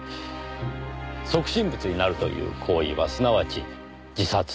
即身仏になるという行為はすなわち自殺。